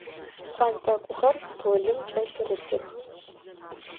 Пхъэнтӏэкӏухэр столым кӏэлъырытых.